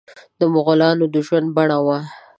د مغولانو د ژوند بڼه وه.